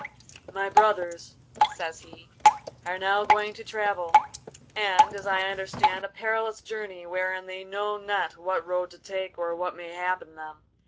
'My brothers,' says he, 'are now going to travel, and, as I understand, a perilous journey wherein they know not what road to take or what may happen them.